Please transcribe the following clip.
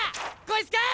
こいつか？